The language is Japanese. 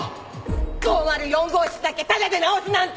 ５０４号室だけタダで直すなんて。